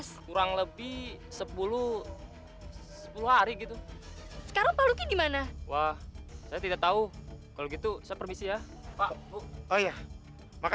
sampai jumpa di video selanjutnya